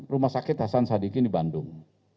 rumah sakit hasan sadikin di bandung